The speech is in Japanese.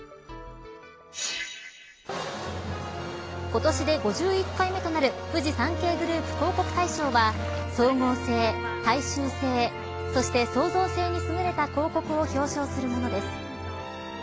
今年で５１回目となるフジサンケイグループ広告大賞は総合性、大衆性そして創造性にすぐれた広告を表彰するものです。